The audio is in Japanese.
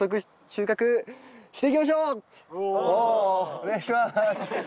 お願いします。